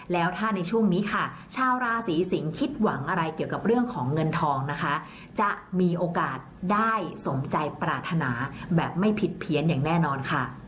แล้วถ้าในช่วงนี้ค่ะชาวราศีสิงศ์คิดหวังอะไรเกี่ยวกับเรื่องของเงินทองนะคะจะมีโอกาสได้สมใจปรารถนาแบบไม่ผิดเพี้ยนอย่างแน่นอนค่ะ